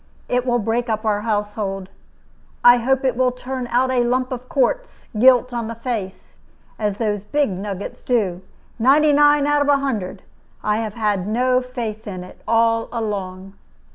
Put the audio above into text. It will break up our household. I hope it will turn out a lump of quartz, gilt on the face, as those big nuggets do, ninety nine out of a hundred. I have had no faith in it all along."